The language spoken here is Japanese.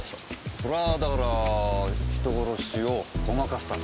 そりゃあだから人殺しをごまかすため。